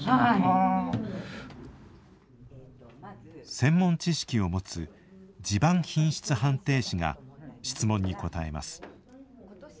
専門知識を持つ「地盤品質判定士」が質問に答えます。